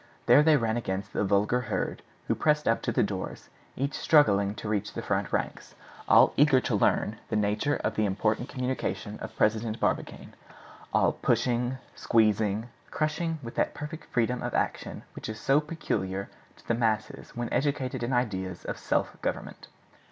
There they ran against the vulgar herd who pressed up to the doors, each struggling to reach the front ranks, all eager to learn the nature of the important communication of President Barbicane; all pushing, squeezing, crushing with that perfect freedom of action which is so peculiar to the masses when educated in ideas of "self government."